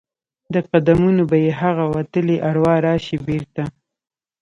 د قدمونو به یې هغه وتلي اروا راشي بیرته؟